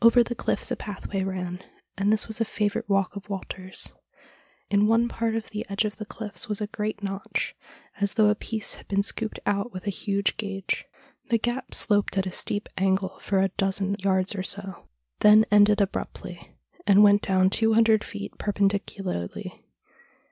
Over the cliffs a pathway ran, and this was a favourite walk of Walter's. In one part of the edge of the cliffs was a great notch, as though a piece had been scooped out with a huge gauge. The gap sloped at a steep angle for a dozen yards or so, then ended abruptly, and went down two hundred feet perpendicularly.